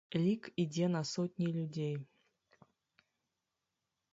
Лік ідзе на сотні людзей.